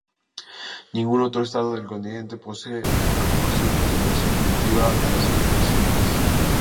Ningún otro estado del continente posee o reconoce legislación relativa a las uniones civiles.